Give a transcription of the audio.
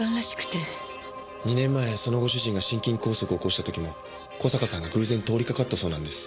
２年前そのご主人が心筋梗塞を起こした時も小坂さんが偶然通りかかったそうなんです。